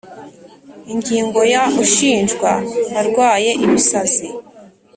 Ingingo ya ushinjwa arwaye ibisazi